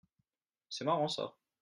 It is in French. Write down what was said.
C’est marrant ça.